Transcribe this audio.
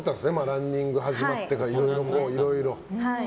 ランニング始まってからいろいろ。